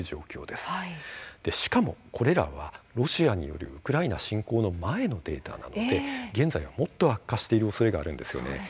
しかも、これらはロシアによるウクライナ侵攻の前のデータなので現在もっと悪化しているおそれがあるんですよね。